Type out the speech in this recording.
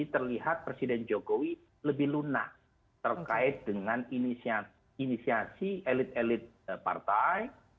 terlihat presiden jokowi lebih lunak terkait dengan inisiasi elit elit partai